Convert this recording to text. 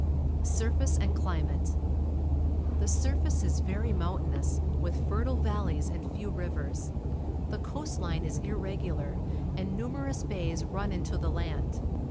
Surface and Climate. — Tlie surface is very mountainous, witli fertile valleys and few rivers. The coast line is irregular, and numerous bays run into the land.